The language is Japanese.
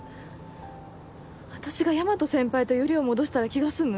私が大和先輩とヨリを戻したら気が済む？